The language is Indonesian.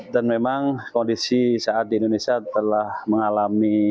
dan memang kondisi saat di indonesia telah mengalami